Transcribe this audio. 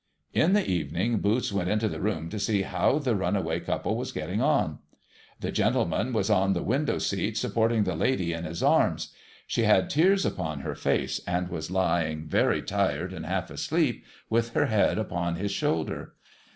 In the evening, Boots went into the room to see how the run away couple was getting on. The gentleman was on the window seat, supporting the lady in his arms. She had tears upon her face, and was lying, very tired and half asleep, with her head upon his shoulder.